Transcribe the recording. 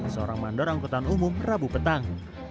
seorang mandor angkutan umum rabu petang